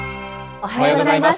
おはようございます。